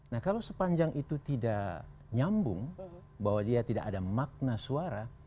nah kalau sepanjang itu tidak nyambung bahwa dia tidak ada makna suara